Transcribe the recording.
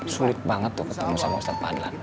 sulit banget tuh ketemu sama ustadz adlan